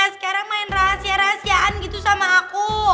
sekarang main rahasia rahasiaan gitu sama aku